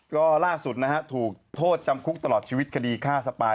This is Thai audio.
ก็ล่าสุดนะฮะถูกโทษจำคุกตลอดชีวิตคดีฆ่าสปาย